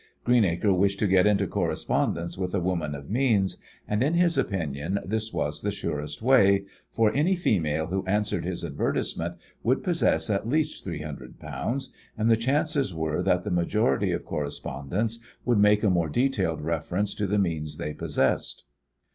Greenacre wished to get into correspondence with a woman of means, and, in his opinion, this was the surest way, for any female who answered his advertisement would possess at least three hundred pounds, and the chances were that the majority of correspondents would make a more detailed reference to the means they possessed.